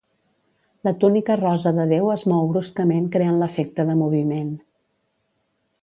La túnica rosa de Déu es mou bruscament creant l'efecte de moviment.